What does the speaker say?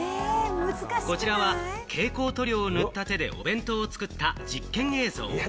こちらは蛍光塗料を塗った手でお弁当を作った実験映像。